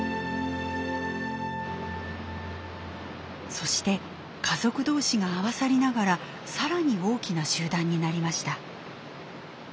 そして家族同士が合わさりながらさらに大きな集団になりました。